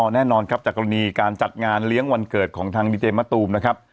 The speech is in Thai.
แน่นอนครับจากกรณีการจัดงานเลี้ยงวันเกิดของทางดีเจมะตูมนะครับ